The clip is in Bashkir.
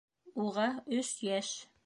Уға өс йәш